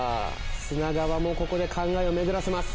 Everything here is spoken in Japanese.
砂川もここで考えをめぐらせます。